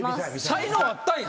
才能あったんやな。